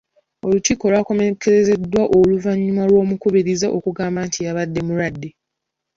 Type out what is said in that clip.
Olukiiko lwakomekkerezeddwa oluvannyuma lw'omukubiriza okugamba nti yabadde mulwadde.